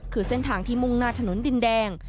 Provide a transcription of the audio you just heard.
คือเส้นทางที่มุ่งหน้าถนนดินแดง